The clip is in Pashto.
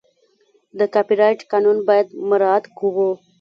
د کاپي رایټ قانون باید مراعت کړو.